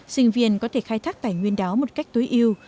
sinh viên có thể khai thác tài nguyên đó một cách tối yêu